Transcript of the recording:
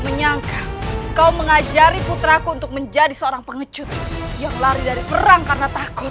menyangka kau mengajari putraku untuk menjadi seorang pengecut yang lari dari perang karena takut